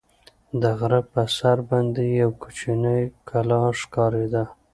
د غره په سر باندې یوه کوچنۍ کلا ښکارېده.